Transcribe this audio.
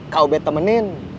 kau baik temenin